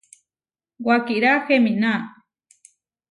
Wakirá heminá.